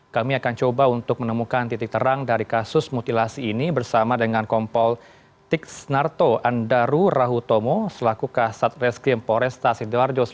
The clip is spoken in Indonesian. kami akan coba untuk menemukan titik terang dari kasus mutilasi ini bersama dengan kompol tiks narto andaru rahutomo selaku kasat reskrim poresta sidoarjo